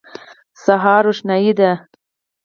سهار روښنايي دی.